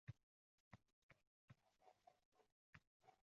Bir yon esa — musulmon.